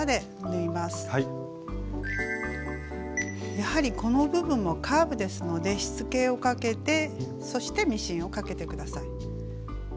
やはりこの部分もカーブですのでしつけをかけてそしてミシンをかけて下さい。